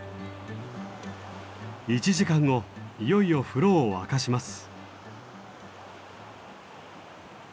１時間後いよいよ風呂を沸かします。